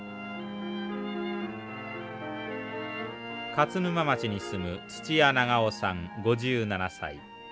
勝沼町に住む土屋長男さん５７歳。